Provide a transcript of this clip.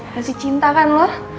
masih cinta kan lu